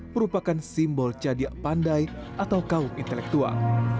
merupakan simbol cadia pandai atau kaum intelektual